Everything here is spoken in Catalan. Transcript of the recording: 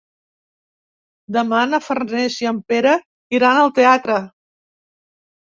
Demà na Farners i en Pere iran al teatre.